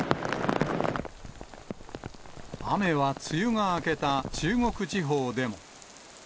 雨は梅雨が明けた中国地方でも。